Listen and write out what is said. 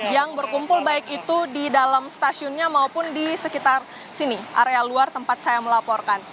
yang berkumpul baik itu di dalam stasiunnya maupun di sekitar sini area luar tempat saya melaporkan